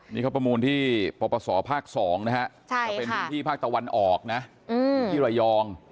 นี่เขาประมูลที่ปปศภาค๒นะฮะจะเป็นพื้นที่ภาคตะวันออกนะที่ระยอง